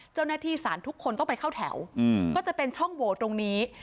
เจ้าหน้าที่สารทุกคนต้องไปเข้าแถวก็จะเป็นช่องโหวตตรงนี้